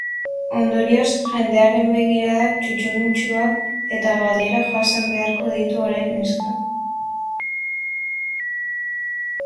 Ondorioz, jendearen begiradak, txutxumutxuak eta galderak jasan beharko ditu orain neskak.